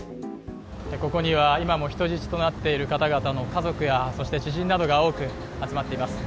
ここには今も人質となっている方々の家族や知人などが多く集まっています。